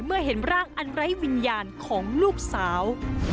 เมื่อเห็นร่างอันไร้วิญญาณของลูกสาว